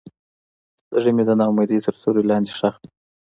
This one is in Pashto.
زړه مې د ناامیدۍ تر سیوري لاندې ښخ دی.